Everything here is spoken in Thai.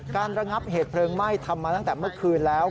ระงับเหตุเพลิงไหม้ทำมาตั้งแต่เมื่อคืนแล้ว